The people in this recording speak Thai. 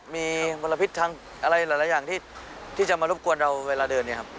มีมลพิษทางอะไรหลายอย่างที่จะมารบกวนเราเวลาเดินเนี่ยครับ